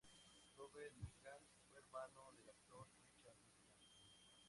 Robert Mulligan fue hermano del actor Richard Mulligan.